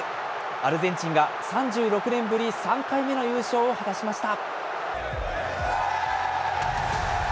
アルゼンチンが３６年ぶり３回目の優勝を果たしました。